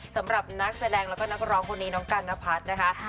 สำหรับนักแสดงแล้วก็นักร้องคนนี้น้องกันนพัฒน์นะคะ